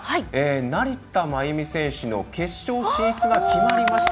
成田真由美選手の決勝進出が決まりました。